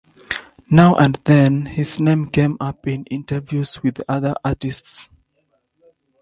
Now and then his name came up in interviews with other artists.